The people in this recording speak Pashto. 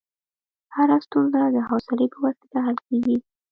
هره ستونزه د حوصلې په وسیله حل کېږي.